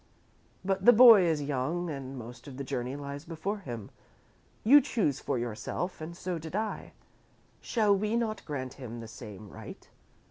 But the boy is young, and most of the journey lies before him. You chose for yourself, and so did I. Shall we not grant him the same right?"